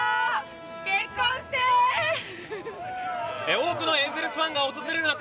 多くのエンゼルスファンが訪れる中